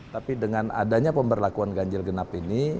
tapi dengan adanya pemberlakuan ganjil genap ini